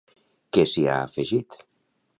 Què s'hi ha afegit?